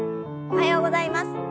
おはようございます。